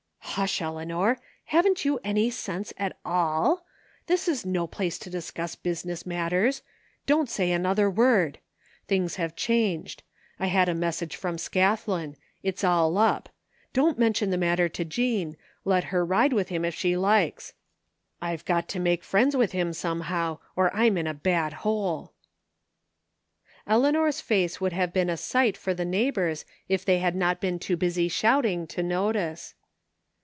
"Hush, Eleanor, haven't you any sense at all ? This is no place to discuss business matters. Don't say another word. Things have changed. I had a mes sage from Scathlin. It's all up! Don't mention the matter to Jean, let her ride with him if she likes. I've 232 THE FINDING OF JASPEE HOLT got to make friends with him somehow or Tm in a bad hole." Eleanor's face would have been a sight for the neighbors if they had not been too busy shouting to notice.